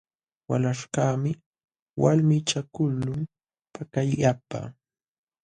Walaśhkaqmi walmichakuqlun pakallapa.